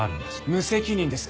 無責任です！